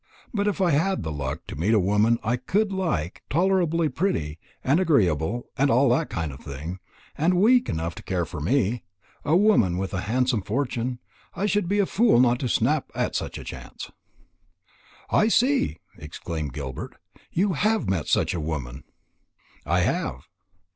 But if I had the luck to meet with a woman I could like, tolerably pretty and agreeable, and all that kind of thing, and weak enough to care for me a woman with a handsome fortune I should be a fool not to snap at such a chance." "I see," exclaimed Gilbert, "you have met with such a woman." "I have."